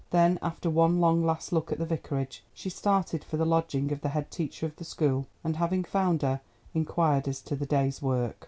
Then, after one long last look at the Vicarage, she started for the lodging of the head teacher of the school, and, having found her, inquired as to the day's work.